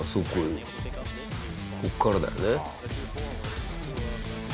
ここからだよね。